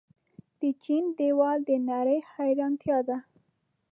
د چین دیوال د نړۍ حیرانتیا ده.